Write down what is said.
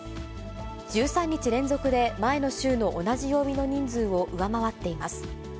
１３日連続で前の週の同じ曜日の人数を上回っています。